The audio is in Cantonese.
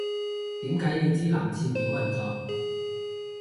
點解要知男廁點運作